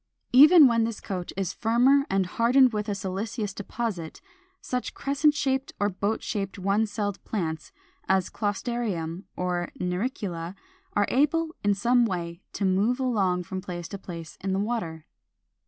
Even when this coat is firmer and hardened with a siliceous deposit, such crescent shaped or boat shaped one celled plants as Closterium or Naricula are able in some way to move along from place to place in the water.